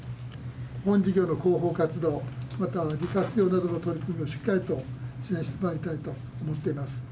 本事業の広報活動また活用の取り組みをしっかりと支援してもらい示してもらいたいと思っています。